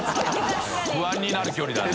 不安になる距離だね。